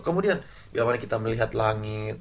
kemudian bagaimana kita melihat langit